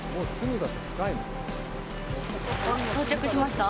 到着しました？